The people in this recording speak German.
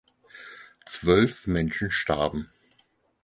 Zwölf Menschen starben.